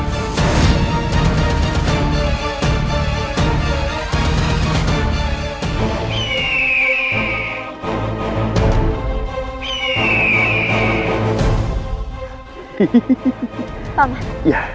sampai jumpa di video selanjutnya